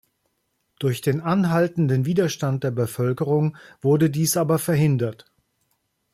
Durch den anhaltenden Widerstand der Bevölkerung wurde dies aber verhindert.